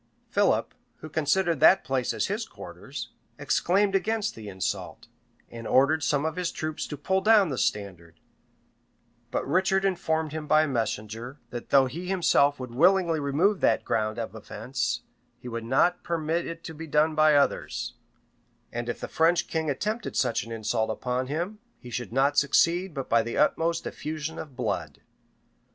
Philip, who considered that place as his quarters, exclaimed against the insult, and ordered some of his troops to pull down the standard: but Richard informed him by a messenger, that though he himself would willingly remove that ground of offence, he would not permit it to be done by others; and if the French king attempted such an insult upon him, he should not succeed but by the utmost effusion of blood.